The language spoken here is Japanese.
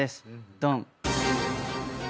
ドン。